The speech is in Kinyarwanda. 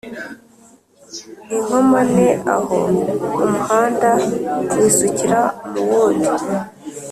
InkomaneAho umuhanda wisukira mu wundi